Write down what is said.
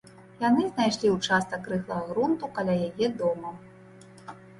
Яны знайшлі ўчастак рыхлага грунту каля яе дома.